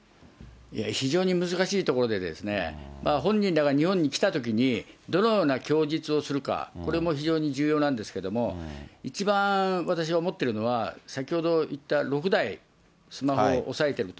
非常に難しいところで、本人らが日本に来たときに、どのような供述をするか、これも非常に重要なんですけれども、一番私が思ってるのは、先ほど言った６台、スマホを押さえてると。